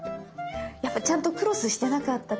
やっぱちゃんとクロスしてなかったか